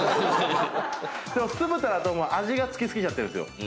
でも酢豚だと味が付き過ぎちゃってるんですよ。